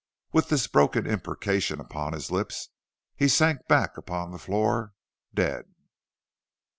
With this broken imprecation upon his lips, he sank back upon the floor, dead."